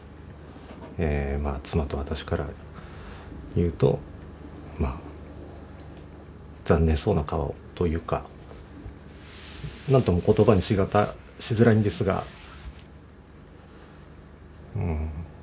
え妻と私から言うと残念そうな顔というか何とも言葉にしづらいんですがうん。